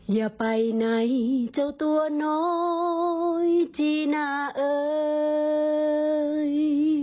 อย่าไปไหนเจ้าตัวน้อยจีน่าเอ่ย